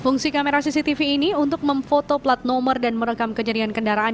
fungsi kamera cctv ini untuk memfoto plat nomor dan merekam kejadian kendaraan